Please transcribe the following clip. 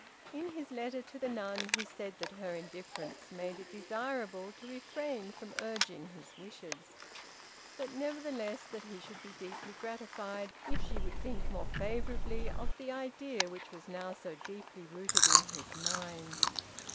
In his letter to the nun he said that her indifference made it desirable to refrain from urging his wishes; but, nevertheless, that he should be deeply gratified if she would think more favorably of the idea which was now so deeply rooted in his mind.